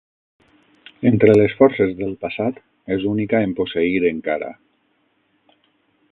Entre les forces del passat, és única en posseir encara.